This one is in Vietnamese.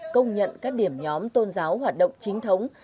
công nhận các điểm nhóm tôn giáo hoạt động chính thống